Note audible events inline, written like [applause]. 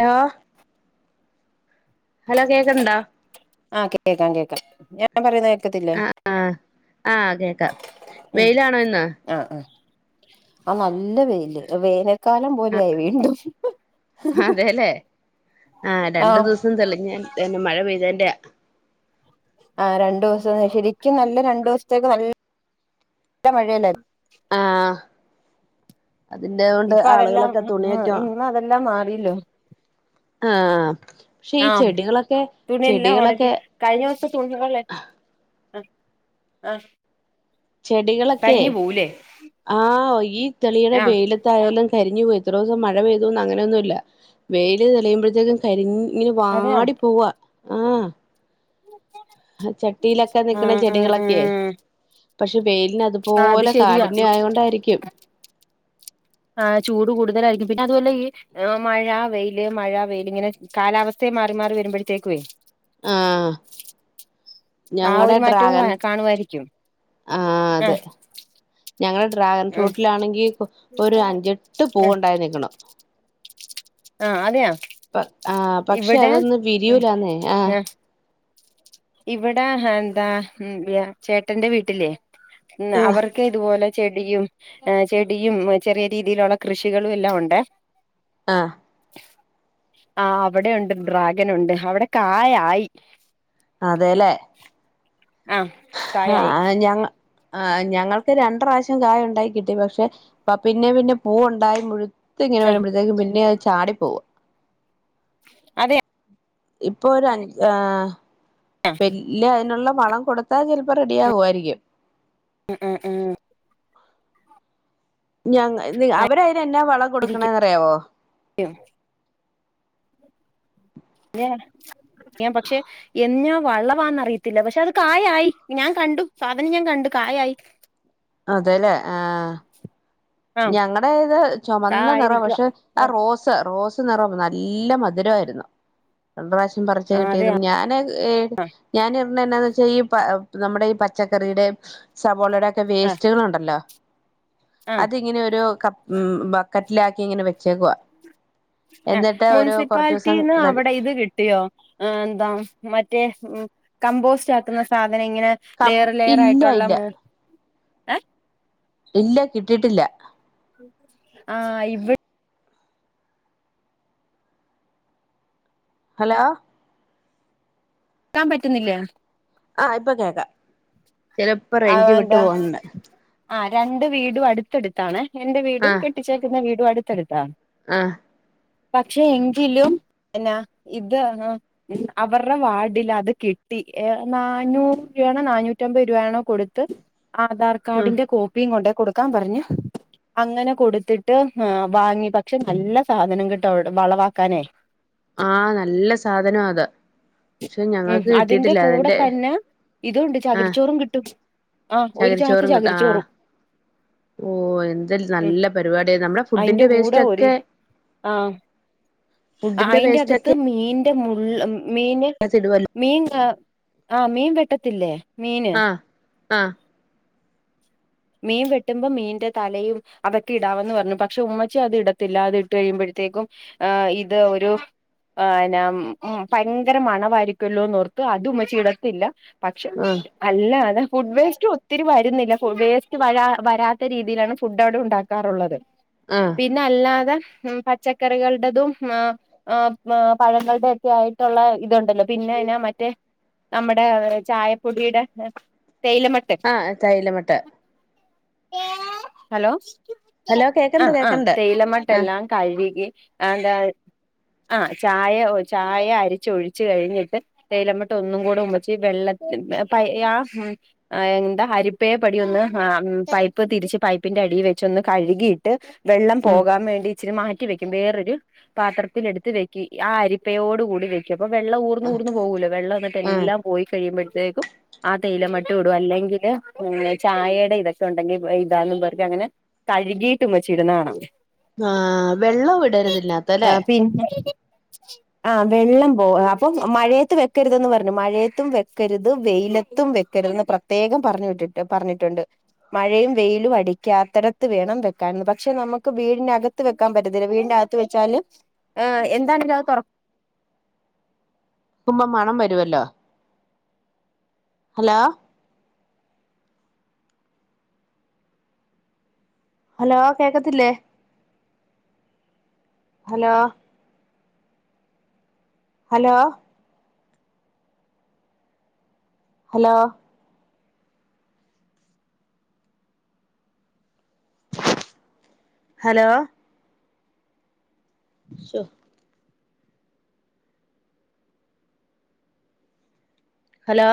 Law [inaudible] hello കേക്ക് ണ്ടാ ആഹ് കേക്കാം കേക്കാം ഞ ഞാൻ പറയുന്ന കേക്കത്തില്ലേ ആഹ് ആഹ് ആഹ് കേക്കാം ഉം വെയിലാണോ ഇന്ന് ആഹ് ആഹ് ആ നല്ല വെയില് വേനൽ കാലം പോലെയായി വീണ്ടും ആഹ് അതെല്ലേ ആഹ് ആ രണ്ടു ദിവസം തെളിഞ്ഞ എന്നെ മഴ പെയ്തെന്റെ ആഹ് രണ്ടു ദിവസം ശരിക്കും നല്ല രണ്ടു ദിവസത്തേക്ക് നല്ല മഴയല്ലായി ആഹ് അതിന്റെ കൊണ്ട് ആളുകളൊക്കെ തുണിയൊക്കെ ന്ന് അതെല്ലാം മാറില്ലോ ആ പക്ഷെ ആ ഈ ചെടികളൊക്കെ ചെടികളൊക്കെ കഴിഞ്ഞൊ സം തു [unintelligible] ആ ആഹ് ചെടികളൊക്കെ ആഹ് ഈ തെളിയുടെ ആ വൈല എന്തായാലും കരിഞ്ഞ് പോയി ത്രറോ സം മഴ പെയ്തു ന്ന് അങ്ങനൊന്നും ഇല്ല വെയില് തെളിയുമ്പഴത്തേക്ക് കരി ഇങ്ങനെ അതെയ ആ വാടി പോവാ ആഹ് ഹാ ചട്ടിയിലൊക്കെ ആ നിക്ക്ണ ആ ചെടികളൊക്കെയെ പക്ഷെ വെയില്ന് അ ആ അത് പോലെ ശരിയാ കാഠിന്യം ആയോണ്ട് ആയിരിക്കും ആ ചൂട് കൂടുതലായിരിക്കും പിന്നെ അതു അല്ല ഈ ആ മഴ വെയില് മഴ വെയ്ല്ഇങ്ങനെ കാലാവസ്ഥയെ മാറി മാറി വരുമ്പഴത്തേക്കു ആഹ് ആ ഞങ്ങളടെ ഒരു മാറ്റവും ഡ്രാഗൻ കാണുമായിരിക്കും ആഹ് ആ അതെ ഞങ്ങള ഡ്രാഗൺ ആ ഫ്രൂട്ടിലാണെങ്കി ഒരു അഞ്ചെട്ട് ആ പൂവ് ണ്ടായി നി ക്ക്ണ് ആഹ് അതെയ പ ആഹ് പക്ഷെ അതൊന്നും വിരിയൂലാന്നേ ആഹ് ആ ഇവിടെ എന്താ ചേട്ടന്റെ വീട്ടിലേ ആഹ് അവർ ക്ക് ഇതുപോലെ ചെടിയും ഏഹ് ചെടിയും ചെറിയ രീതിയിലുള്ള കൃഷികളും എല്ലാം ഉണ്ടേ ആഹ് ആഹ് അവിടെ ഉണ്ട് ഡ്രാഗൻ ഉണ്ട് അവിടെ കായ ആയി അതെല്ലേ [inaudible] [inaudible] കായായി ആഹ് ഞങ്ങ ആ ഞങ്ങൾക്ക് രണ്ട് റാശ്യം കായണ്ടായി കിട്ടി പക്ഷെ പ പിന്നെ പിന്നെ പൂവ് ണ്ടായി മുഴുത്ത് ങ്ങനെ ആ വരുമ്പയത്തേക്കും പിന്നെ അഹ് ചാടി പോവാ അതെ ഇപ്പൊ ഒരു അൻ ആ വെല്യ അയിനുള്ള പണം കൊടു ത്താ ചെൽപ്പം റെഡിയാവു ആയിരിക്കും ഉം ഉം ഉം ഞങ്ങ ന്ന് അവര് അയിന് എന്നാ വളം കൊടുക്ക്ണേന്ന് റിയാവോ ഞ്ഞെ ഞാ പക്ഷെ എന്നാ വള്ളവാന്നറിയത്തില്ല പക്ഷെ അത് കായായി ഞാൻ കണ്ടു സാധനം ഞാൻ കണ്ടു കായായി അതെല്ലേ ഏഹ് [inaudible] ഞങ്ങടെ ഇത് ചുമന്ന കായായി നിറ നിൽക്കുവാ പക്ഷെ ആ റോസ് റോസ് നെറം നല്ല മധുരാ യിരുന്നു രണ്ട് റാശ്യം പറിച്ച ആ അതെ കിട്ടിയതും ഞാന് ഏ ഞാന് ഇട്ണേ എന്നാ വച്ചാല് ഈ പ നമ്മുടെ ഈ പച്ചക്കറിടെ സബോളയുടെ ഒക്കെ ആ വേസ്റ്റുകളു ണ്ടല്ലോ ആ അതിങ്ങനൊരു ക ഉം ബക്കറ്റ് ലാക്കി ഇങ്ങനെ വെച്ചേക്കുവാ എ എന്നിട്ട് ഒരു മുൻസിപ്പാൽ കുറച്ച് ദിവസം റ്റീന്ന് കഴി അവിടെ ഇത് കിട്ടിയോ ആ ന്താ മറ്റേ കമ്പോസ്‌റ്റാക്ക്‌ന്ന സാധന ഇങ്ങനെ കം ലെയർ ലെയർ ഇല്ല ആയിട്ടുള്ള ഇല്ല മൂ ഏ ഹ് ഇല്ല കിട്ടീട്ടില്ല [unintelligible] ആഹ് ഇവ് ഹലോ ക്കാൻ പറ്റുന്നില്ലേ? ആഹ് ഇപ്പൊ കേക്കാം ചെലപ്പോ റേഞ്ച് വിട്ട് പോണ് ആ രണ്ട് വീടും അടുത്തട്ത്താണേ എന്റെ വീടും ആഹ് കെട്ടിച്ചേക്കുന്ന വീടും അടുത്തടുത്താണ് ആഹ് പക്ഷെ എങ്കിലും എന്നാ ഇത് ആഹ് ഉ അവർടെ വാഡിലത് കിട്ടി ഏ നാനൂറ് രൂയാണോ നാനൂറ്റമ്പത് രൂപയാണോ കൊടുത്ത് ആധാർ ഉം കാഡിന്റെ കോപ്പിയും കൊണ്ടയ് കൊട്ക്കാമ്പർഞ് അങ്ങനെ കൊട്ത്തിട്ട് വാങ്ങി പക്ഷെ നല്ല സാധനം കേട്ടോ വളവാക്കാന് ആഹ നല്ല സാധനാഅത് മ് അതിന്റെ കൂടെ തന്നെ ഇതുണ്ട് ചകിരിച്ചോറും കിട്ടും ആഹ് ഒരു ചകരി ചാക്ക് ചോറും കിട്ടുആ ചകിരിച്ചോറും ഓ ന്താലും ഉം നല്ല പരിപാടിയ നമ്മളെ അയിന്റെ ഫുഡിന്റെ കൂടെ വേസ്റ്റ് ഒരു ക്കെ ആഹ് അ ഫുഡിന്റെ അയിന്റെ വേസ്റ്റ് അകത്ത് ഒക്കെ മീന്റെ മുള്ള് മീന് [unintelligible] മീൻ ആ ആ മീൻ വെട്ടത്തില്ലേ മീൻ ആ ആഹ് മീൻ വെട്ടുമ്പോ മീന്റെ തലയും അതൊക്കെ ഇടാവെന്ന് പറഞ്ഞു പക്ഷെ ഉമ്മച്ചി അത് ഇടത്തില്ല അത് ഇട്ട് കയിമ്പോത്തേക്കും ആ ഇത് ഒരു ആ ന്നം ഉം ഭയങ്കര മണവായിരിക്കല്ലോന്നോർത്ത് അതുംമ്മച്ചി ഇടത്തില്ല പക്ഷെ ആഹ് അല്ല അതാ ഫുഡ് വേസ്റ്റും ഒത്തിരി വരുന്നില്ല ഫു വേ വരാ വരാത്ത രീതിയിലാണ് ഫുഡ് അവ്ടെ ഉണ്ടാക്കാറുള്ളത് ആഹ് പിന്നെ അല്ലാതെഉം പച്ചക്കറികൾ ടെതും ആ ആഅ പഴങ്ങളുടെ ഒക്കെ ആയിട്ടുള്ള ഇതുണ്ടല്ലോ പിന്നെ എനാ മറ്റേ നമ്മുടെ ചായപ്പൊടിടെ തേയിലമ്ട്ട് ആ തൈലമ്ട്ട് ഹലോ ഹലോ കേക്കണ്ട് ആഹ് ആഹ് കേക്കണ്ട് ആഹ് തേയിലമട്ടെല്ലാം കഴുകി ആന്താ ആഹ് ചായ ഓ ചായ അരിച്ചൊഴിച്ചു കഴിഞ്ഞി തേയിലമട്ട ഒന്നും കൂടെ ഉമ്മച്ചി വെള്ളത്തി പയ്യ ആഹ് എന്താ ഹരിപ്പയെ പടിഒന്ന് ആഹ് പൈപ്പ് തിരിച്ച് പൈപ്പിന്റെ അടിയിൽ വെച്ചൊന്ന് കഴുകിയിട്ട് വെള്ളം ഉം പോകാൻ വേണ്ടി ഇച്ചിരി മാറ്റി വെക്കും വേറൊരു പാത്രത്തിലെടുത്തു വെക്കു ആ അരിപ്പയോട് കൂടി വെ അപ്പ വെള്ളം ഊർന്നൂർന്ന് പോകൂല്ലോ ആഹ് വെള്ളംന്നിട്ടല്ലാം പോയികഴിയുമ്പഴത്തേക്കും ആഹ് തേയിലമട്ടുടും അല്ലെങ്കില് ചായെ ഇതൊക്കെ ഉണ്ടെങ്കിൽ ഇടാന്ന് പറഞ്ഞങ്ങനാ കഴുകിയിട്ട് മ്മച്ചി ഇടുന്നകാണാ ആ വെള്ളം വിടരുതില്ലാത്തല്ലേ [inaudible] ആഹ് വെള്ളം പോ അപ്പൊ മഴയത്ത വെക്കരുത്ന്ന് പറഞ്ഞു മഴയത്തും വെക്കരുത് വെയിലത്തും വെക്ക കരുന്ന് പ്രത്യേകം പറഞ്ഞു വിട്ടിട്ട് പറഞ്ഞിട്ടുണ്ട് മഴയും വെയിലും അടിക്കാത്തടത്ത് വേണം വെക്കാനന്ന് പക്ഷെ നമുക്ക് വീടിനകത്ത് വെക്കാൻ പറ്റത്തില്ല വീടിക വെച്ചാല് എന്നാണിന്നത് ക്കുമ്പോ മണം വരുവല്ലോ ഹലോ ഹലോ കേക്കത്തില്ലേ ഹലോ ഹലോ ഹലോ ഹലോ ശോ ഹലോ